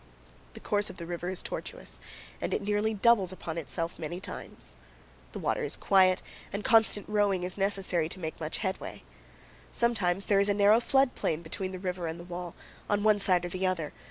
The course of the river is tortuous, and it nearly doubles upon itself many times. The water is quiet, and constant rowing is necessary to make much headway. Sometimes there is a narrow flood plain between the river and the wall, on one side or the other.